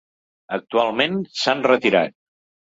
Actualment s'han retirat.